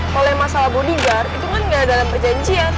kalo masalah bodyguard itu kan gak dalam perjanjian